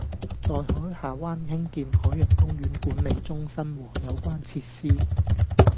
在海下灣興建海洋公園管理中心和有關設施